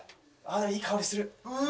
いい香りする。